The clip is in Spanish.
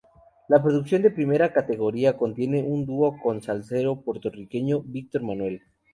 La producción de primera categoría contiene un dúo con el salsero puertorriqueño Víctor Manuelle.